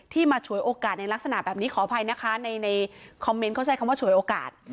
มาฉวยโอกาสในลักษณะแบบนี้ขออภัยนะคะในคอมเมนต์เขาใช้คำว่าฉวยโอกาส